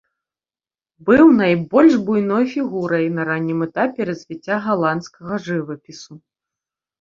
Быў найбольш буйной фігурай на раннім этапе развіцця галандскага жывапісу.